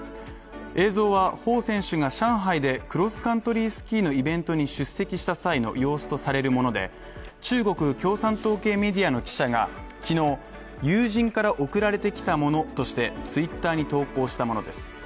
映像は、彭選手が上海でクロスカントリースキーのイベントに出席した際の様子とされるもので、中国共産党系メディアの記者が、昨日友人から送られてきたものとしてＴｗｉｔｔｅｒに投稿したものです。